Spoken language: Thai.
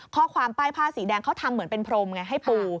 ป้ายผ้าสีแดงเขาทำเหมือนเป็นพรมไงให้ปู